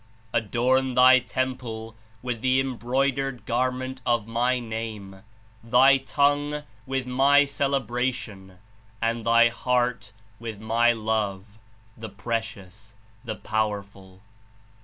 Adorn thy temple with the embroidered garment of My Name, thy tongue with My celebration and thy heart with My Love, the Precious, the Powerful.